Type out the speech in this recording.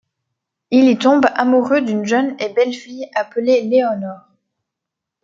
Il y tombe amoureux d'une jeune et belle fille appelée Léonore.